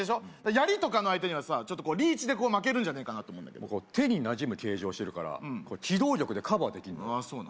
ヤリとかの相手にはさちょっとこうリーチで負けるんじゃねえかなと思うんだけど手に馴染む形状してるから機動力でカバーできんのよそうなの？